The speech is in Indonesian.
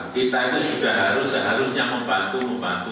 kita ini sudah harus seharusnya membantu membantu